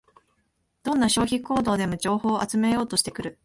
どんな消費行動でも情報を集めようとしてくる